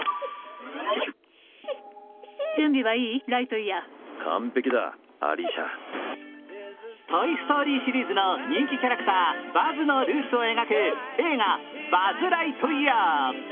「トイ・ストーリー」シリーズの人気キャラクター、バズのルーツを描く映画「バズ・ライトイヤー」。